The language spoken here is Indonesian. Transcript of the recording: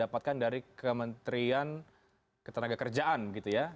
dapatkan dari kementerian ketenaga kerjaan gitu ya